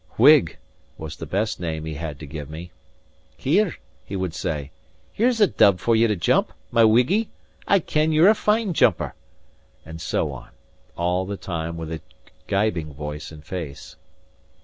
"Whig" was the best name he had to give me. "Here," he would say, "here's a dub for ye to jump, my Whiggie! I ken you're a fine jumper!" And so on; all the time with a gibing voice and face.